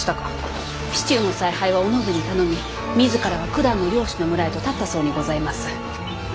市中の采配はお信に頼み自らはくだんの猟師の村へとたったそうにございます。